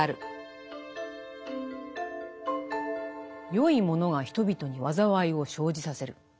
善いものが人々に災いを生じさせる。